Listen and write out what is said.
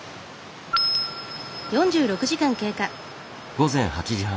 午前８時半。